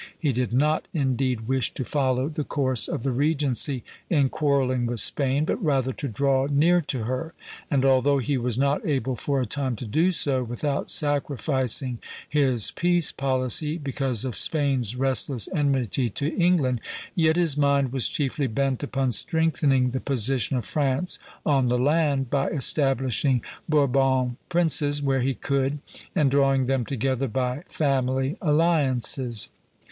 He did not indeed wish to follow the course of the regency in quarrelling with Spain, but rather to draw near to her; and although he was not able for a time to do so without sacrificing his peace policy, because of Spain's restless enmity to England, yet his mind was chiefly bent upon strengthening the position of France on the land, by establishing Bourbon princes where he could, and drawing them together by family alliances.